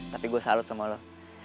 tapi gua salut sama lu